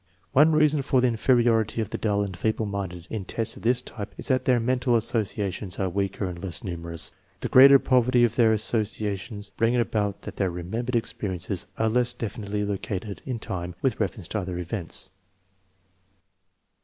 One reason for the inferiority of the dull and feeble minded in tests of this type is that their mental associations are weaker and less numerous. The greater poverty of their associations brings it about that their remembered experiences are less definitely located in time with reference to other events.